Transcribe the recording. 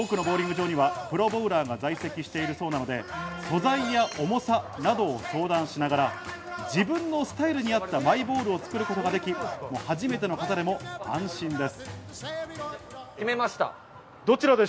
多くのボウリング場にはプロボウラーが在籍しているそうなので、素材や重さなどを相談しながら、自分のスタイルに合った、マイボールを作ることができる、初めての方でも安心です。